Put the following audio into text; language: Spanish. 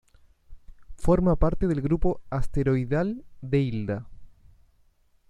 Forma parte del grupo asteroidal de Hilda.